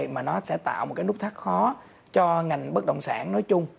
mà nó sẽ tạo một cái nút thắt khó cho ngành bất động sản nói chung